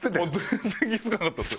全然気付かなかったです。